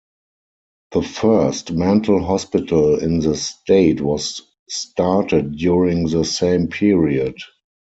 The first mental hospital in the state was started during the same period.